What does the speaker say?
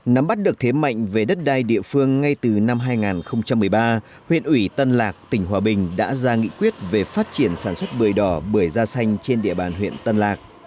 nắm bắt được thế mạnh về đất đai địa phương ngay từ năm hai nghìn một mươi ba huyện ủy tân lạc tỉnh hòa bình đã ra nghị quyết về phát triển sản xuất bưởi đỏ bưởi da xanh trên địa bàn huyện tân lạc